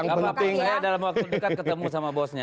yang penting saya dalam waktu dekat ketemu sama bosnya